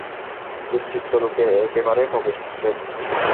দুশ্চরিত্র লোকের একেবারেই প্রবেশ নিষেধ।